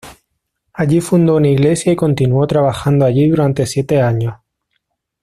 Allí fundó una iglesia y continuó trabajando allí durante siete años.